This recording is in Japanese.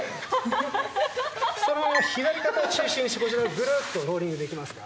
そのまま左肩を中心にしてこちらにグルッとローリングできますか。